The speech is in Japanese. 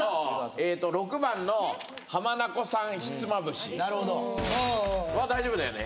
ええと６番の浜名湖産ひつまぶしは大丈夫だよね？